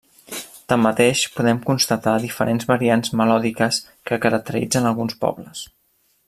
Tanmateix podem constatar diferents variants melòdiques que caracteritzen alguns pobles.